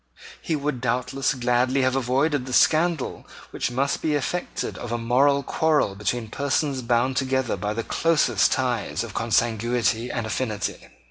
He would doubtless gladly have avoided the scandal which must be the effect of a mortal quarrel between persons bound together by the closest ties of consanguinity and affinity.